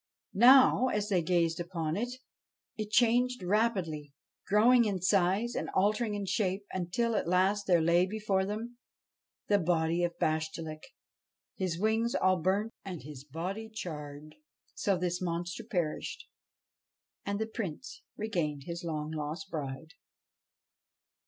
Now, as they gazed upon it, it changed rapidly, growing in size and altering in shape, until at last there lay before them the body of Bashtchelik, his wings all burnt and his body charred. So this monster perished, and the Prince regained his long lost bride.